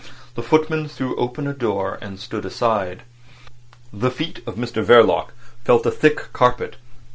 The footman threw open a door, and stood aside. The feet of Mr Verloc felt a thick carpet.